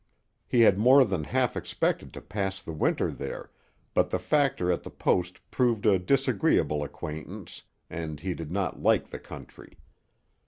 He had more than half expected to pass the winter there, but the factor at the post proved a disagreeable acquaintance, and he did not like the country.